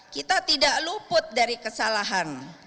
kita tidak luput dari kesalahan